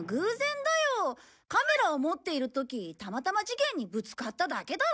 カメラを持っている時たまたま事件にぶつかっただけだろ？